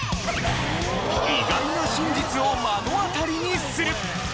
意外な真実を目の当たりにする！